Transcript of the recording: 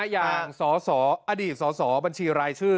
อย่างสสอดีตสสบัญชีรายชื่อ